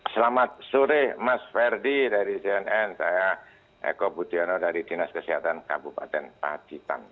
selamat sore mas ferdi dari cnn saya eko budiono dari dinas kesehatan kabupaten pacitan